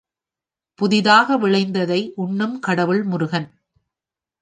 புதிதாக விளைந்ததை உண்ணும் கடவுள் முருகன்.